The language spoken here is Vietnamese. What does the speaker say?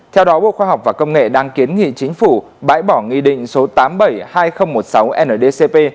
theo đó bộ khoa học và công nghệ đang kiến nghị chính phủ bãi bỏ nghị định số tám trăm bảy mươi hai nghìn một mươi sáu ndcp